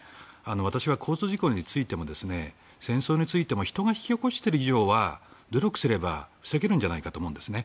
私は交通事故についても戦争についても人が引き起こしている以上は努力すれば防げるんじゃないかと思うんですね。